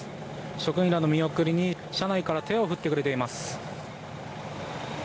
職員らの見送りに車内から手を振ってくれています。